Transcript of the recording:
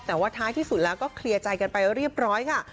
แต่ว่าท้ายที่สุดแล้วก็เคลียร์ใจกันไปเรียบร้อยค่ะ